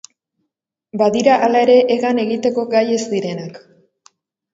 Badira hala ere hegan egiteko gai ez direnak.